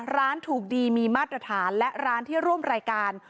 ร้านถูกดีมีมาตรฐานและร้านที่ร่วมรายการ